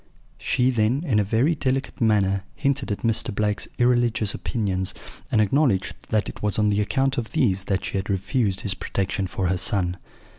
"She then, in a very delicate manner, hinted at Mr. Blake's irreligious opinions, and acknowledged that it was on the account of these that she had refused his protection for her son.